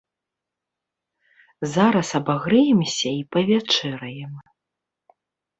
Зараз абагрэемся і павячэраем.